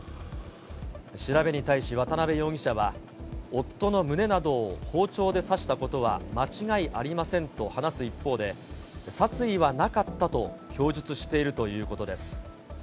調べに対し渡部容疑者は、夫の胸などを包丁で刺したことは間違いありませんと話す一方で、殺意はなかったと供述しているということです。